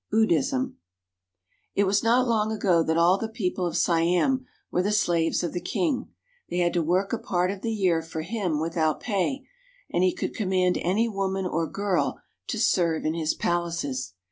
BUDDHISM IT was not long ago that all the people of Siam were the slaves of the king They had to work a part of the year for him without pay, and he could command any woman or girl to serve in his palaces.